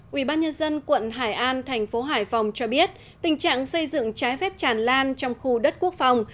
quỹ ban nhân dân quận hải an thành phố hải phòng cho biết tình trạng xây dựng trái phép tràn lan trong khu đất quốc phòng